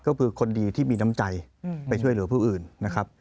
ก็คือคนดีที่มีน้ำใจไปช่วยเหลือผู้อื่นนะครับ